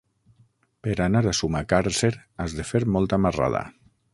Per anar a Sumacàrcer has de fer molta marrada.